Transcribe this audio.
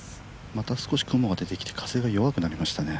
また少し雲が出てきて風が弱くなりましたね。